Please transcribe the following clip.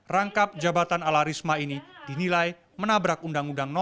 rangkap jabatan ala risma ini dinilai menabrak undang undang no dua puluh tiga